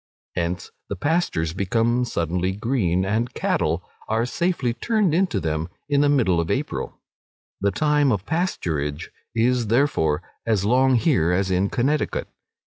Hence the pastures become suddenly green, and cattle are safely turned into them in the middle of April; the time of pasturage is, therefore, as long here as in Connecticut.